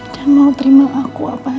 dan mau terima aku apa ada